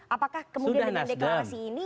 apakah kemudian dengan deklarasi ini